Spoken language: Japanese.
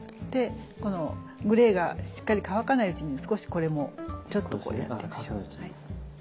でこのグレーがしっかり乾かないうちに少しこれもちょっとこうやってみましょう。